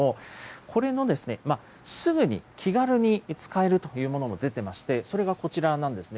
これのすぐに、気軽に使えるというものも出ていまして、それがこちらなんですね。